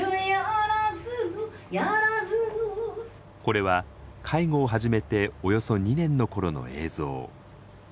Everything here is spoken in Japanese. これは介護を始めておよそ２年の頃の映像。